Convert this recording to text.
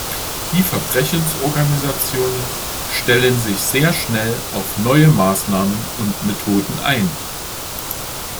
Die Verbrechensorganisationen stellen sich sehr schnell auf neue Maßnahmen und Methoden ein.